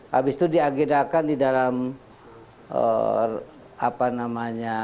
habis itu diagendakan di dalam apa namanya